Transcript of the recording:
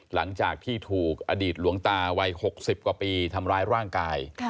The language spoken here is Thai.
หลังจากที่ถูกอดีตหลวงตาวัย๖๐กว่าปีทำร้ายร่างกาย